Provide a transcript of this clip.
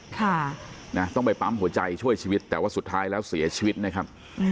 ค่ะนะต้องไปปั๊มหัวใจช่วยชีวิตแต่ว่าสุดท้ายแล้วเสียชีวิตนะครับ